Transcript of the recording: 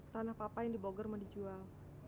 tanah papa yang diboger mau dijual